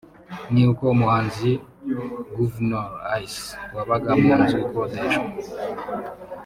ni uko umuhanzi Guvnor Ace wabaga mu nzu ikodeshwa